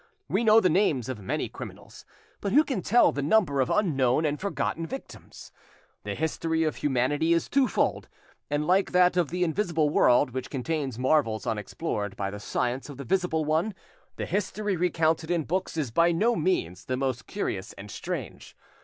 We know the names of many criminals, but who can tell the number of unknown and forgotten victims? The history of humanity is twofold, and like that of the invisible world, which contains marvels unexplored by the science of the visible one, the history recounted in books is by no means the most curious and strange.